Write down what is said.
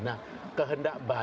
nah kehendak baik itu adalah